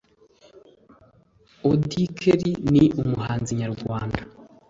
Audy kelly ni umuhanzi nyarwanda